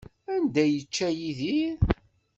Anda ay yečča Yidir?